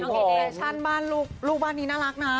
ผู้หญิงบ้านลูกบ้านนี้น่ารักนะ